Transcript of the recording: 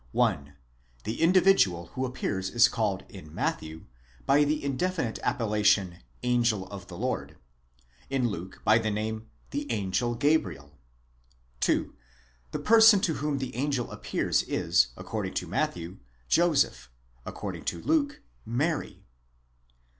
τ. The individual who appears is called in Matthew by the indefinite appel lation, angel of the Lord, ἄγγελος Κυρίου : in Luke by name, the angel Gabriel, ὃ ἄγγελος Ταβριὴλ. 2. The person to whom the angel appears is, according. to Matthew, Joseph, according to Luke, Mary.